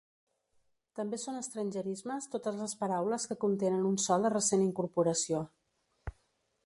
També són estrangerismes totes les paraules que contenen un so de recent incorporació.